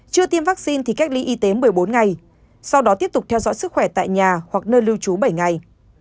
chưa tiêm vaccine thì cách ly y tế một mươi bốn ngày sau đó tiếp tục theo dõi sức khỏe tại nhà hoặc nơi lưu trú bảy ngày